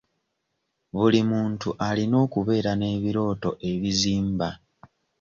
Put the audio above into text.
Buli muntu alina okubeera n'ebirooto ebizimba.